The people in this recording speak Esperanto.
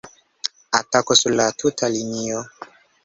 Atako sur la tuta linio!